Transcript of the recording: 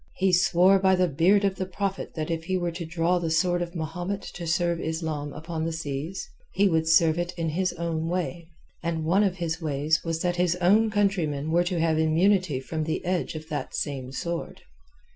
He swore by the beard of the Prophet that if he were to draw the sword of Mahomet and to serve Islam upon the seas, he would serve it in his own way, and one of his ways was that his own countrymen were to have immunity from the edge of that same sword.